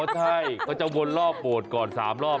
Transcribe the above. อ๋อใช่ก็จะวนโบสถ์ก่อน๓รอบ